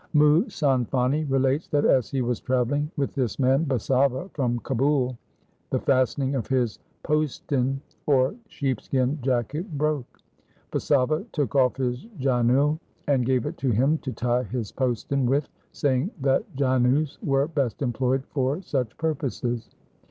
Muhsan Fani relates that as he was travelling with this man Basava from Kabul the fastening of his postin or sheep skin jacket broke. Basava took off his janeu and gave it to him to tie his postin with, saying that janeus were best employed for such purposes.